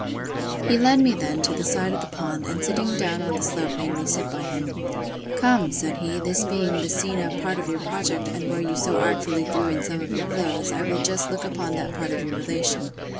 He led me, then, to the side of the pond; and sitting down on the slope, made me sit by him. Come, said he, this being the scene of part of your project, and where you so artfully threw in some of your clothes, I will just look upon that part of your relation.